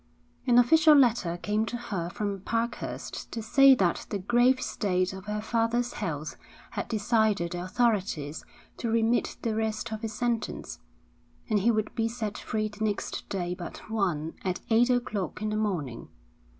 An official letter came to her from Parkhurst to say that the grave state of her father's health had decided the authorities to remit the rest of his sentence, and he would be set free the next day but one at eight o'clock in the morning.